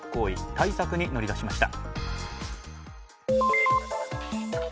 対策に乗り出しました。